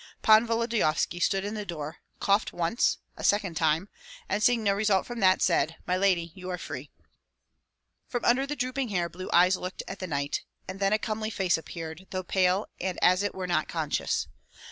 Pan Volodyovski stood in the door, coughed once, a second time, and seeing no result from that, said, "My lady, you are free!" "From under the drooping hair blue eyes looked at the knight, and then a comely face appeared, though pale and as it were not conscious.